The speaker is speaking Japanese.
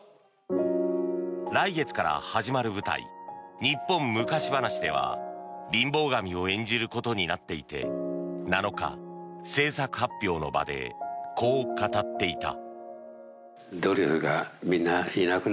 来月から始まる舞台「日本昔ばなし」では貧乏神を演じることになっていて７日、制作発表の場でこう語っていた。